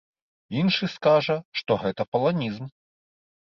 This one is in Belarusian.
Іншы скажа, што гэта паланізм.